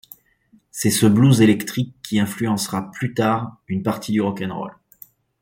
C'est ce blues électrique qui influencera, plus tard, une partie du rock 'n' roll.